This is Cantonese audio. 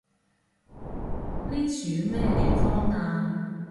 呢樹咩地方啊？